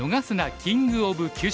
キング・オブ・急所」。